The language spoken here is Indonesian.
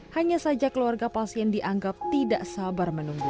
hanya saja keluarga pasien dianggap tidak sabar menunggu